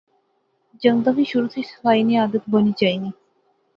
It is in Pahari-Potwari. جنگتاں کی شروع سی صفائی نی عادت بنانی چاینی